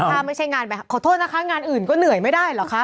ถ้าไม่ใช่งานไปขอโทษนะคะงานอื่นก็เหนื่อยไม่ได้เหรอคะ